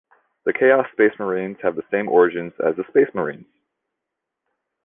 The Chaos Space Marines have the same origins as the Space Marines.